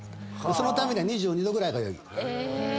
そのためには２２℃ぐらいが良い。